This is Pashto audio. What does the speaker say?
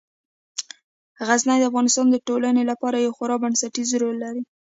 غزني د افغانستان د ټولنې لپاره یو خورا بنسټيز رول لري.